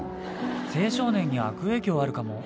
青少年に悪影響あるかも。